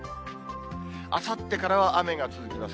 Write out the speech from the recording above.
あさってからは雨が続きます。